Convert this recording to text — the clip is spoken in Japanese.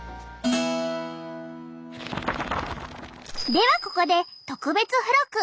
ではここで特別付録。